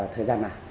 thời gian này